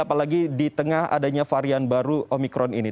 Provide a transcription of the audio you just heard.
apalagi di tengah adanya varian baru omikron ini